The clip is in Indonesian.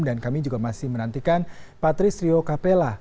dan kami juga masih menantikan patrice rio capella